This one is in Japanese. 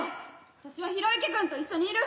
私は啓之君と一緒にいる。